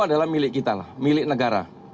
adalah milik kita lah milik negara